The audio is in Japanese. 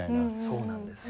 そうなんです。